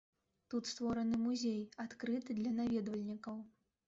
Тут створаны музей, адкрыты для наведвальнікаў.